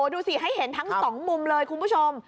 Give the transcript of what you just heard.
ดูสิให้เห็นทั้งสองมุมเลยคุณผู้ชม